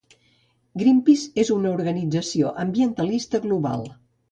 Greenpeace és una organització ambientalista global.